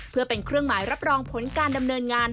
เพื่อเป็นเครื่องหมายรับรองผลการดำเนินงาน